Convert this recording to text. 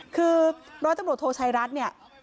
คือร้อยตำรวจโทชัยรัฐเนี่ย